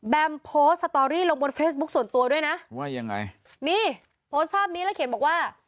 โพสต์สตอรี่ลงบนเฟซบุ๊คส่วนตัวด้วยนะว่ายังไงนี่โพสต์ภาพนี้แล้วเขียนบอกว่า